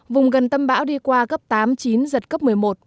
vùng gần tâm bão đi qua cấp tám chín giật cấp một mươi một